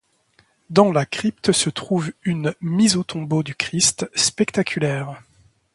Dans la crypte se trouve une Mise au tombeau du Christ spectaculaire.